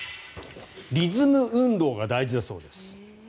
リズム運動が大事だそうです。